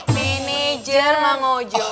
manajer mang ojo